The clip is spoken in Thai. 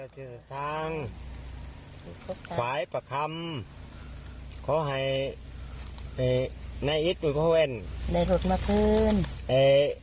ครั้งฝ่ายประคำเขาให้เอ่ยไอนี่กูเนยหลุดปะคืนเอ่ย